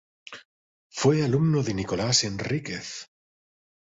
Fue alumno de Nicolás Enríquez.